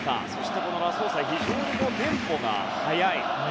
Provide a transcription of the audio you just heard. そしてラソーサ非常にテンポが早い。